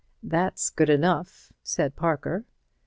"That's good enough," said Parker.